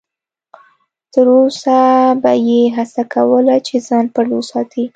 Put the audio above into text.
تر وسه به یې هڅه کوله چې ځان پټ وساتي.